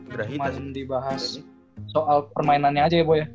jadi cuma dibahas soal permainannya aja ya bo ya